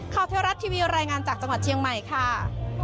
เทวรัฐทีวีรายงานจากจังหวัดเชียงใหม่ค่ะ